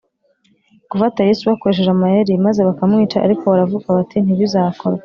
gufata yesu bakoresheje amayeri maze bakamwica ariko baravuga bati ntibizakorwe